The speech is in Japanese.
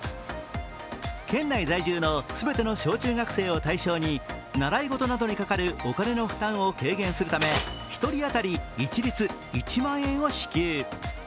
県内在住の全ての小中学生を対象に習い事などにかかるお金の負担を軽減するため１人当たり一律１万円を支給。